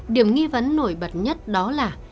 điểm nghi vấn nổi bật nhất đó là